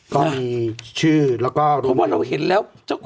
ก็ฟังชื่อแล้วก็เพราะว่าเราเห็นแล้ว